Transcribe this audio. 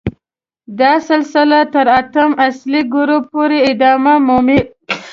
دا سلسله تر اتم اصلي ګروپ پورې ادامه مومي.